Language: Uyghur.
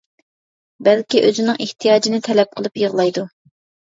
بەلكى ئۆزىنىڭ ئېھتىياجىنى تەلەپ قىلىپ يىغلايدۇ.